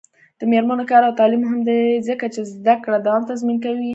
د میرمنو کار او تعلیم مهم دی ځکه چې زدکړو دوام تضمین کوي.